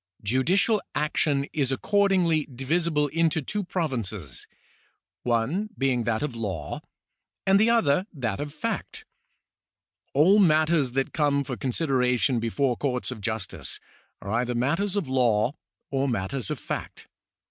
Judicial action is accordingly divisible into two provinces ; one being that of law, and the other that of fact. All matters that come for consideration before coiu'ts of justice are either matters of law or matters of fact.